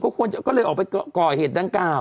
ควรจะก็เลยออกไปก่อเหตุดังกล่าว